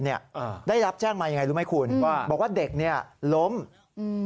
เนี้ยอ่าได้รับแจ้งมายังไงรู้ไหมคุณว่าบอกว่าเด็กเนี้ยล้มอืม